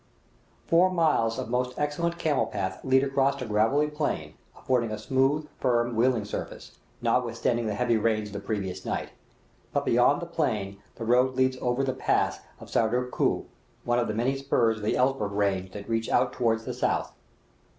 Pour miles of most excellent camel path lead across a gravelly plain, affording a smooth, firm, wheeling surface, notwithstanding the heavy rains of the previous night; but beyond the plain the road leads over the pass of the Sardara Kooh, one of the many spurs of the Elburz range that reach out toward the south.